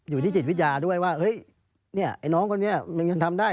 อยู่ที่จิตวิทยาด้วยว่าเฮ้ยเนี่ยไอ้น้องคนนี้มันยังทำได้